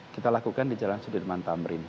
kita lakukan di jalan sudirman tamrin